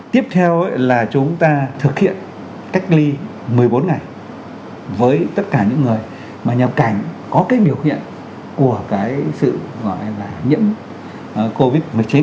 tiếp theo là chúng ta thực hiện cách ly một mươi bốn ngày với tất cả những người mà nhập cảnh có cái biểu hiện của cái sự gọi là nhiễm covid một mươi chín